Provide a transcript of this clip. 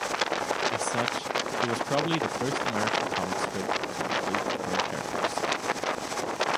As such, it was probably the first American comic strip to include recurring characters.